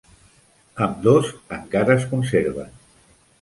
Ambdós encara es conserven.